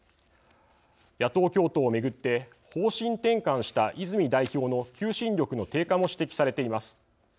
野党共闘を巡って方針転換した泉代表の求心力の低下も指摘されています。